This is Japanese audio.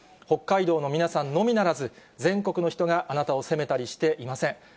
北海道の皆さんのみならず全国の人があなたを責めたりしていません。